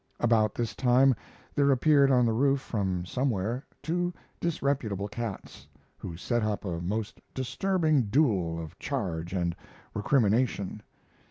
About this time there appeared on the roof from somewhere two disreputable cats, who set up a most disturbing duel of charge and recrimination.